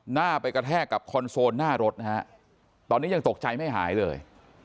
หน้าไปกระแทกกับคอนโซลหน้ารถนะฮะตอนนี้ยังตกใจไม่หายเลย